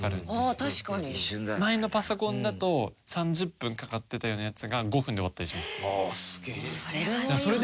前のパソコンだと３０分かかってたようなやつが５分で終わったりします。